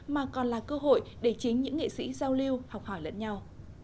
mà còn là cơ hội để chính những nghệ sĩ giao lưu học hỏi lẫn nhau